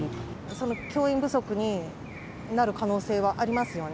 その教員不足になる可能性はありますよね。